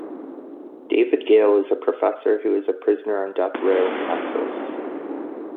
David Gale is a professor who is a prisoner on death row in Texas.